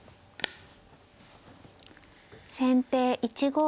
先手１五馬。